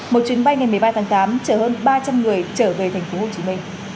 một chuyến bay ngày một mươi ba tháng tám chở hơn ba trăm linh người trở về tp hcm